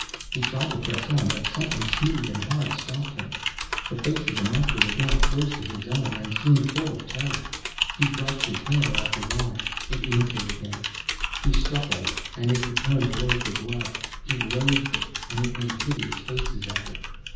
He tried to press on, but something smooth and hard stopped him. The face of the monster was now close to his own, and seemed full of terror. He brushed his hair off his eyes. It imitated him. He struck at it, and it returned blow for blow. He loathed it, and it made hideous faces at him.